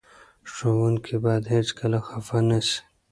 ښوونکي باید هېڅکله خفه نه سي.